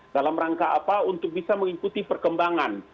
dalam rangka apa untuk bisa mengikuti perkembangan